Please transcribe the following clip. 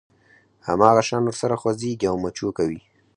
هماغه شان ورسره خوځېږي او مچو کوي.